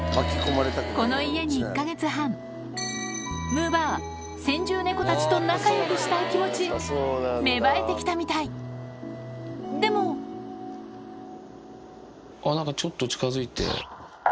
この家に１か月半むぅばあ先住猫たちと仲良くしたい気持ち芽生えてきたみたいでもあっ何かちょっと近づいて。